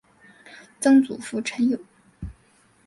曾祖父陈友。